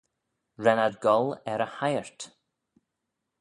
Ren ad goll er e heiyrt.